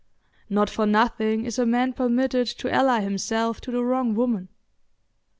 Not for nothing is a man permitted to ally himself to the wrong woman.